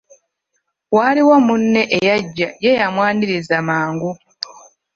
Waaliwo munne eyajja ye yamwaniriza mangu.